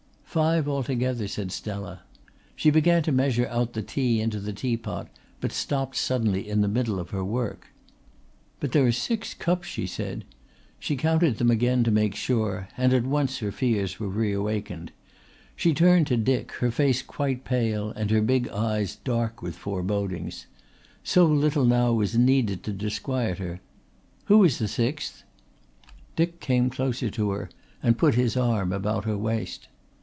"Five altogether," said Stella. She began to measure out the tea into the tea pot but stopped suddenly in the middle of her work. "But there are six cups," she said. She counted them again to make sure, and at once her fears were reawakened. She turned to Dick, her face quite pale and her big eyes dark with forebodings. So little now was needed to disquiet her. "Who is the sixth?" Dick came closer to her and put his arm about her waist.